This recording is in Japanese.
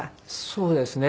そうですね。